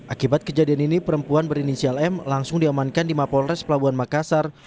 akibat kejadian ini perempuan berinisial m langsung diamankan di mapolres pelabuhan makassar